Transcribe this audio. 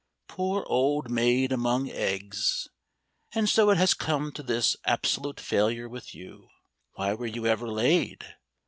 "Poor old maid among eggs! And so it has come to this absolute failure with you. Why were you ever laid?